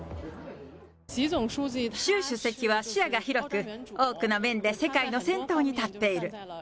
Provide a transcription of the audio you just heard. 習主席は視野が広く、多くの面で世界の先頭に立っている。